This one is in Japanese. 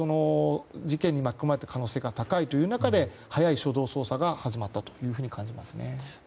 事件に巻き込まれた可能性が高いという中で早い初動捜査が始まったと感じますね。